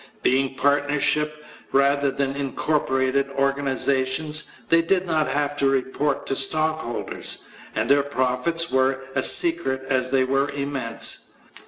Being partnerships rather than incorporated organizations, they do not have to report to stockholders. And their profits were as secret as they were immense.